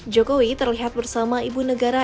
jokowi terlihat bersama ibu negara